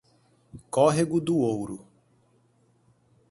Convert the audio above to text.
Córrego do Ouro